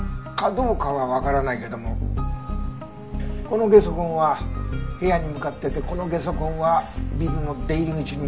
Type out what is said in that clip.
どうかはわからないけどもこのゲソ痕は部屋に向かっててこのゲソ痕はビルの出入り口に向かってる。